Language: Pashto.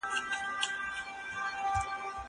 زه واښه نه راوړم؟!